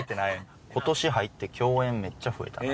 今年入って共演めっちゃ増えたな。